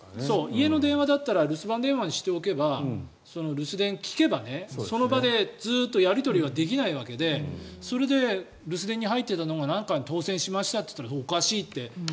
家の電話だったら留守番電話にしておけば留守電を聞けばその場でずっとやり取りはできないわけでそれで留守電に入っていたのが何かに当選しましただったらおかしいって。